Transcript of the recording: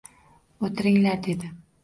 — O’tiringlar! — dedi.